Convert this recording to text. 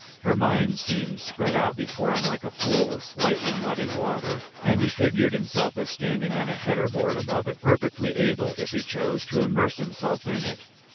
Her mind seemed spread out before him like a pool of slightly muddy water, and he figured himself as standing on a header board above it, perfectly able, if he chose, to immerse himself in it.